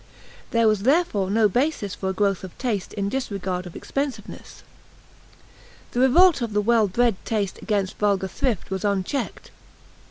There was therefore no basis for a growth of taste in disregard of expensiveness. The revolt of the well bred taste against vulgar thrift was unchecked.